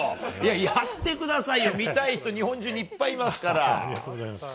やってくださいよ、見たい人日本中にいっぱいいますから！